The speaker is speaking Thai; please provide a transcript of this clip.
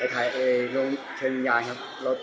ไปถ่ายเชิงวิญญาณครับรถ